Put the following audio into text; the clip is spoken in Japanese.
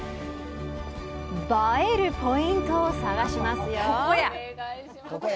映えるポイントを探します。